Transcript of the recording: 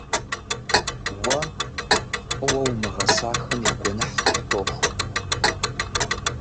Уэ фӏыуэ умыгъэсахэм я гуэныхь къыптохуэ.